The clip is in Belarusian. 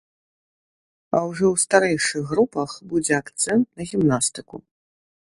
А ўжо ў старэйшых групах будзе акцэнт на гімнастыку.